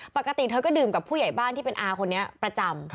ปกติเธอก็ดื่มกับผู้ใหญ่บ้านที่เป็นอาคนนี้ประจำ